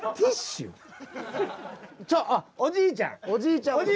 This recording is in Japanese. おじいちゃん！